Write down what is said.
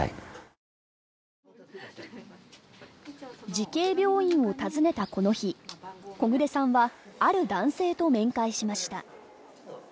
慈恵病院を訪ねたこの日、小暮さんは、ある男性と面会しました。